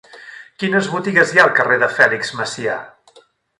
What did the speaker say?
Quines botigues hi ha al carrer de Fèlix Macià?